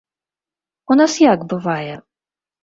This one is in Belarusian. У нас як бывае?